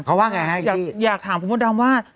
เขาว่าไงฮะกิ๊กอยากถามคุณพ่อดำว่า